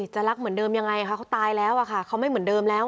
จะรักเหมือนเดิมยังไงคะเขาตายแล้วอะค่ะเขาไม่เหมือนเดิมแล้ว